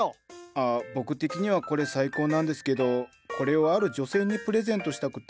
あっ僕的にはこれ最高なんですけどこれをある女性にプレゼントしたくて。